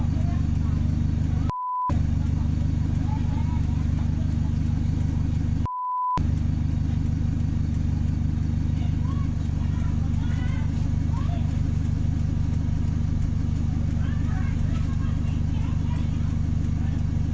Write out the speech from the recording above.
เมาวุ่นมาเธอจะเพิ่งขอโทรศัพท์มาถ่ายวิดีโอ